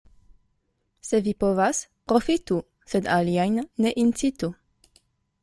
Se vi povas, profitu, sed aliajn ne incitu.